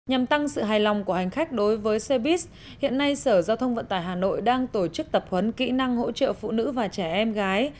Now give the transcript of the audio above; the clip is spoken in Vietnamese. nhằm tăng sự hài lòng của hành khách đối với xe buýt hiện nay sở giao thông vận tải hà nội đang tổ chức tập huấn kỹ năng hỗ trợ phụ nữ và trẻ em gái